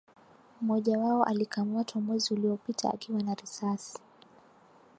mmoja wao alikamatwa mwezi uliopita akiwa na risasi